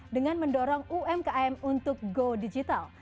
dengan mendorong umkm untuk go digital